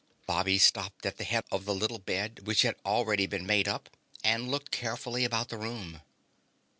Bobby stopped at the head of the little bed which had already been made up, and looked carefully about the room.